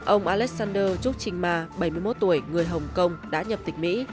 ông alexander chuk ching ma bảy mươi một tuổi người hồng kông đã nhập tịch mỹ